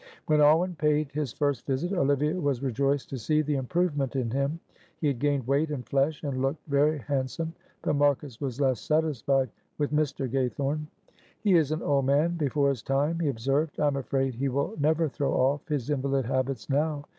When Alwyn paid his first visit, Olivia was rejoiced to see the improvement in him. He had gained weight and flesh, and looked very handsome; but Marcus was less satisfied with Mr. Gaythorne. "He is an old man before his time," he observed. "I am afraid he will never throw off his invalid habits now.